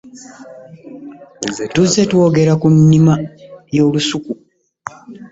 Tuzze twogera ku nnima y'olusuku.